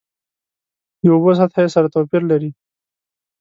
د اوبو سطحه یې سره توپیر لري.